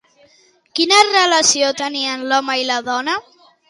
Quina relació tenien l'home i la dona?